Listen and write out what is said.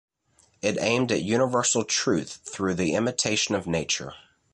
It aimed at universal truth through the imitation of nature.